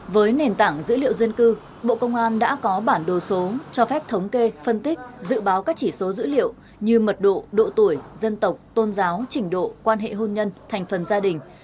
với nền tảng dữ liệu dân cư bộ công an đã có bản đồ số cho phép thống kê phân tích dự báo các chỉ số dữ liệu như mật độ độ tuổi dân tộc tôn giáo trình độ quan hệ hôn nhân thành phần gia đình